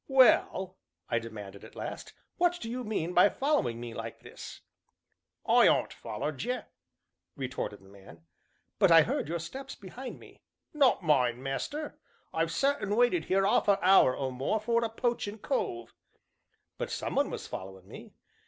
"Well," I demanded, at last, "what do you mean by following me like this?" "I aren't follered ye," retorted the man. "But I heard your steps behind me." "Not mine, master. I've sat and waited 'ere 'arf a hour, or more, for a poachin' cove " "But some one was following me."